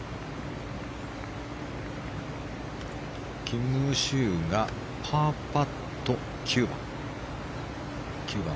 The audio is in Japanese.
キム・シウがパーパット、９番。